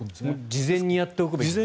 事前にやっておくと。